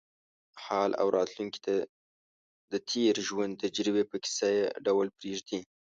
حال او راتلونکې ته د تېر ژوند تجربې په کیسه یې ډول پرېږدي.